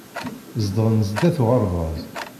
Zedɣen sdat uɣerbaz.